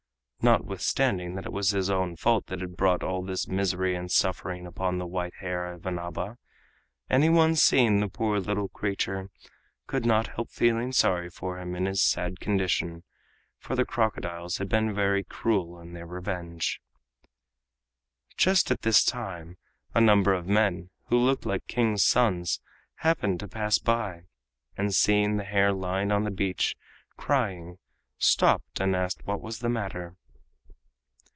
Notwithstanding that it was his own fault that had brought all this misery and suffering upon the white hare of Inaba, any one seeing the poor little creature could not help feeling sorry for him in his sad condition, for the crocodiles had been very cruel in their revenge. Just at this time a number of men, who looked like King's sons, happened to pass by, and seeing the hare lying on the beach crying, stopped and asked what was the matter.